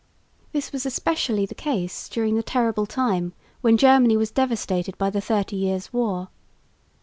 This was especially the case during the terrible time when Germany was devastated by the Thirty Years' War.